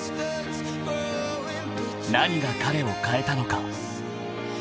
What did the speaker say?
［何が彼を変えたのか］